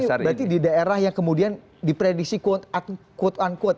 berarti di daerah yang kemudian diprediksi quote unquote